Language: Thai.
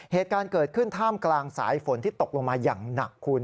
เหตุการณ์เกิดขึ้นท่ามกลางสายฝนที่ตกลงมาอย่างหนักคุณ